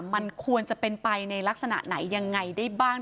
มันควรจะเป็นไปในลักษณะไหนยังไงได้บ้าง